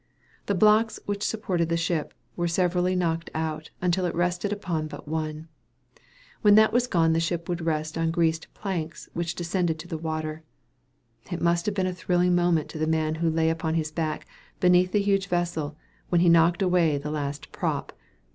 The blocks which supported the ship were severally knocked out, until it rested upon but one. When that was gone, the ship would rest upon greased planks, which descended to the water. It must have been a thrilling moment to the man who lay upon his back, beneath the huge vessel, when he knocked away the last prop.